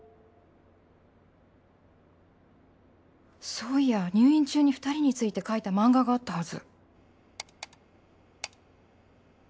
そういや入院中に２人について描いた漫画があったはず